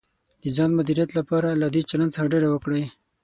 د ځان د مدیریت لپاره له دې چلند څخه ډډه وکړئ: